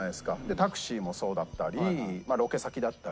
タクシーもそうだったりロケ先だったり。